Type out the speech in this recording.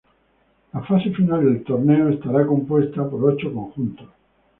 La fase final del torneo, estará compuesta por ocho conjuntos.